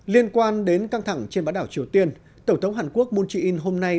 liên quan đến căng thẳng trên bãi đảo triều tiên tổng thống hàn quốc moon jae in hôm nay